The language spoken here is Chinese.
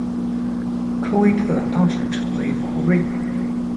科威特当时称为库锐。